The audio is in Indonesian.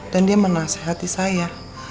dan dia menasehati saya